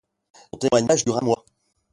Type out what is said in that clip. Son témoignage dure un mois.